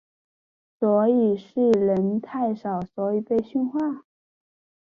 所以是人太少所以被训话？